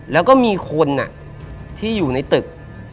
แล้วก็มีคนที่อยู่ในตึก